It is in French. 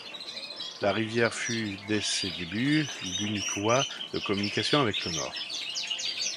La rivière fut dès ses débuts l’unique voie de communication avec le Nord.